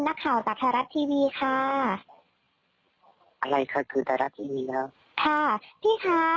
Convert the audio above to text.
นักข่าวจากไทยรัฐทีวีค่ะอะไรคะคือไทยรัฐทีวีแล้วค่ะพี่ค่ะ